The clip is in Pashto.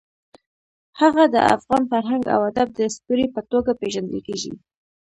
هغه د افغان فرهنګ او ادب د ستوري په توګه پېژندل کېږي.